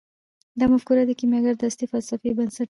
دا مفکوره د کیمیاګر د اصلي فلسفې بنسټ دی.